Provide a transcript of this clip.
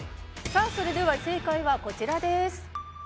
さあそれでは正解はこちらです。